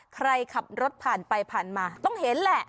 ใครขับรถผ่านไปผ่านมาต้องเห็นแหละ